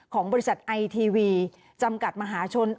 ของบริษัทไอทีวีจำกัดมหาชน